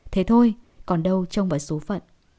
thế thôi còn đâu trông bởi số phận